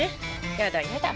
やだやだ。